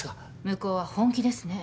向こうは本気ですね。